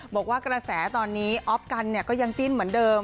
บอกว่ากระแสตอนนี้อ๊อฟกันก็ยังจิ้นเหมือนเดิม